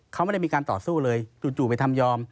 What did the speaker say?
เขาไม่ได้มีการต่อสู้เลยจู่ไปทำยอม